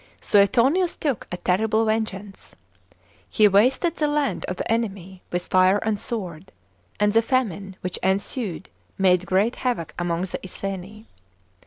Suetonius took a terrible vengeance. He wasted the land of the enemy with fire and sword, and the famine which ensued made great havoc among the Iceni.